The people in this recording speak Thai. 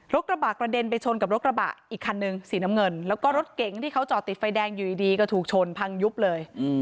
กระบะกระเด็นไปชนกับรถกระบะอีกคันนึงสีน้ำเงินแล้วก็รถเก๋งที่เขาจอดติดไฟแดงอยู่ดีก็ถูกชนพังยุบเลย